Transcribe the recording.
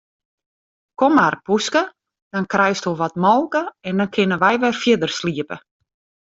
Kom mar poeske, dan krijsto wat molke en dan kinne wy wer fierder sliepe.